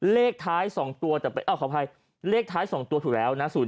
เลขท้าย๒ตัวถูกแล้วนะ๐๗